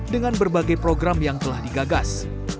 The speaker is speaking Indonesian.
dengan berbagai program yang telah digagas